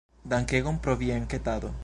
Dankegon pro via enketado.